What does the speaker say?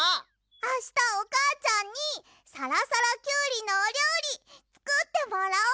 あしたおかあちゃんにさらさらキュウリのおりょうりつくってもらおう！